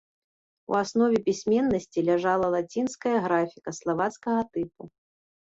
У аснове пісьменнасці ляжала лацінская графіка славацкага тыпу.